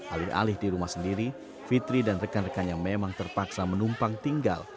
alir alir di rumah sendiri fitri dan rekan rekan yang memang terpaksa menumpang tinggal